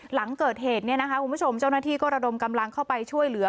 หลังเกิดเหตุเนี่ยนะคะคุณผู้ชมเจ้าหน้าที่ก็ระดมกำลังเข้าไปช่วยเหลือ